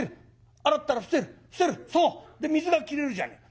水が切れるじゃねえか。